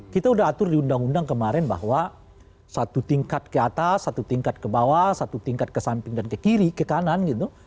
kita udah atur di undang undang kemarin bahwa satu tingkat ke atas satu tingkat ke bawah satu tingkat ke samping dan ke kiri ke kanan gitu